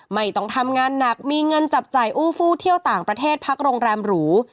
ไม่ต้องทำงานหนักมีเงินจับจ่ายอู้ฟู้เที่ยวต่างประเทศพักโรงแรมหรู